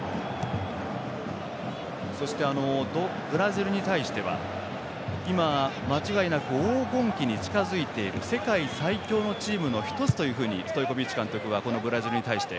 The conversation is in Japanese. そして、ブラジルに対しては今、間違いなく黄金期に近づいている世界最強のチームの１つというふうにストイコビッチ監督はこのブラジルに対して